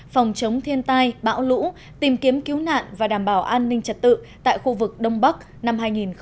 phòng chống thiên tai bão lũ tìm kiếm cứu nạn và đảm bảo an ninh trật tự tại khu vực đông bắc năm hai nghìn hai mươi